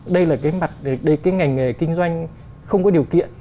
đây là cái mặt cái ngành nghề kinh doanh không có điều kiện